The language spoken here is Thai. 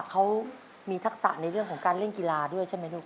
เขามีทักษะในเรื่องของการเล่นกีฬาด้วยใช่ไหมลูก